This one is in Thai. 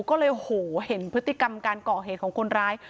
ก็เลยโหเห็นพฤติกรรมการก่อเหตุของคนร้าย